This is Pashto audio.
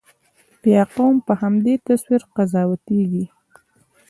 بیا قوم په همدې تصویر قضاوتېږي.